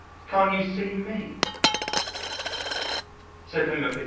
Can't you see me? September 15.